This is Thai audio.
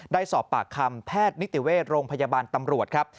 ได้สอบปากคำแพทย์นิติเวชโรงพยาบาลตำรวจครับ